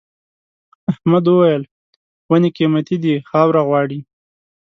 احمد وويل: ونې قيمتي دي خاوره غواړي.